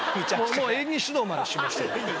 もう演技指導までしました。